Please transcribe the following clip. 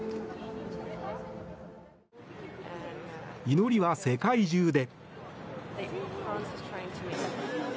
祈りは世界中で。